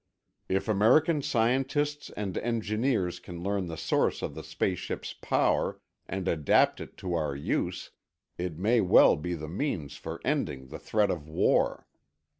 If American scientists and engineers can learn the source of the space ships' power and adapt it to our use, it may well be the means for ending the threat of war.